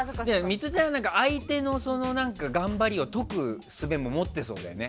ミトちゃんは相手の頑張りを解くすべを持ってそうだよね。